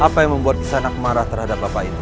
apa yang membuat kisah nak marah terhadap bapak itu